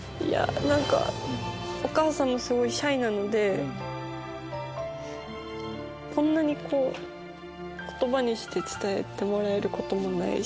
お母さんもすごいシャイなのでこんなに言葉にして伝えてもらえることもないし。